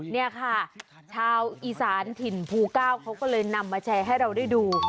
นี่ค่ะชาวอีสานถิ่นภูเก้าเขาก็เลยนำมาแชร์ให้เราได้ดู